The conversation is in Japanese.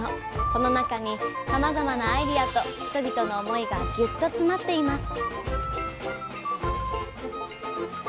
この中にさまざまなアイデアと人々の思いがぎゅっと詰まっています。